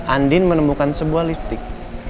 andin menemukan sebuah liftik